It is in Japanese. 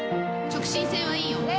直進性はいいよ。